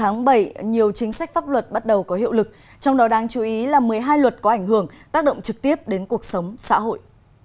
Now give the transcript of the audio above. ngày một nhiều chính sách pháp luật bắt đầu có hiệu lực trong đó đáng chú ý là một mươi hai luật có ảnh hưởng tác động trực tiếp đến cuộc sống xã hội